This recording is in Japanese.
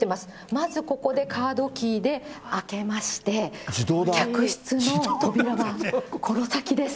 まずここでカードキーで開けまして、客室の扉が、この先です。